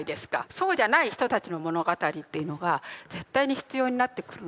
そうじゃない人たちの物語というのが絶対に必要になってくるので。